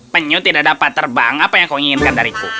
penyu tidak dapat terbang apa yang kau inginkan dariku